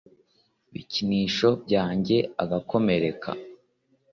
Bikinisho byanjye agakomereka